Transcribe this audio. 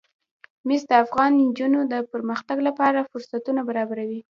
مس د افغان نجونو د پرمختګ لپاره فرصتونه برابروي.